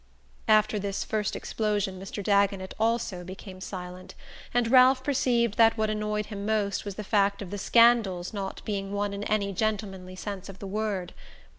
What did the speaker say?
After this first explosion Mr. Dagonet also became silent; and Ralph perceived that what annoyed him most was the fact of the "scandal's" not being one in any gentlemanly sense of the word.